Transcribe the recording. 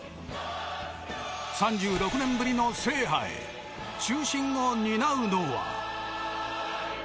３６年ぶりの制覇へ中心を担うのは。